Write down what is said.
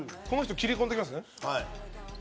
切り込んできます。